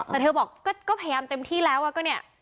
แต่เธอบอกก็พยายามเต็มที่แล้วก็เนี่ย